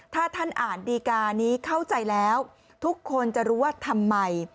ถ้าท่านอ่านดีการ์นี้เข้าใจแล้วทุกคนจะรู้ว่าทำไม